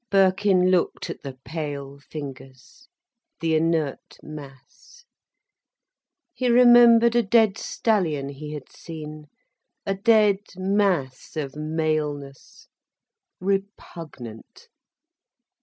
Birkin looked at the pale fingers, the inert mass. He remembered a dead stallion he had seen: a dead mass of maleness, repugnant.